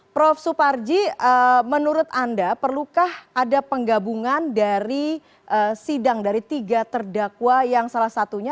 prof suparji menurut anda perlukah ada penggabungan dari sidang dari tiga terdakwa yang salah satunya